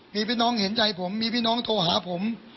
มีพี่น้องเห็นใจผมมีพี่น้องโทรหาผม